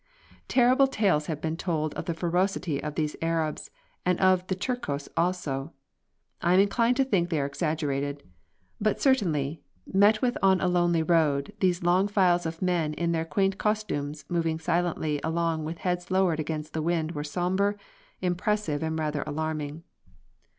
Terrible tales have been told of the ferocity of these Arabs, and of the Turcos also. I am inclined to think they are exaggerated. But certainly, met with on a lonely road, these long files of men in their quaint costumes moving silently along with heads lowered against the wind were sombre, impressive and rather alarming.